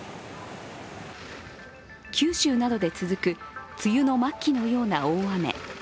九州などで続く梅雨の末期のような大雨。